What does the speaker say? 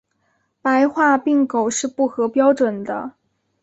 白化病狗是不合标准的。